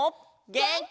げんき！